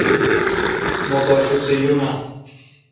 مہ پا توسہ یوماؘ۔